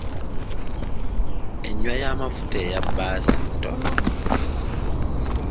Enywa y'amafuta eya bbaasi ntono.